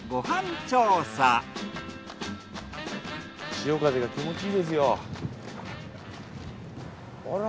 潮風が気持ちいいですよ。